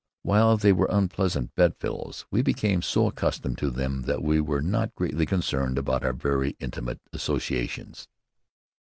While they were unpleasant bedfellows, we became so accustomed to them that we were not greatly concerned about our very intimate associations.